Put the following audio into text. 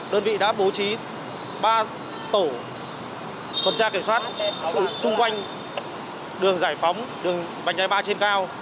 đơn vị đã bố trí ba tổ quản trang kiểm soát xung quanh đường giải phóng đường bạch đài ba trên cao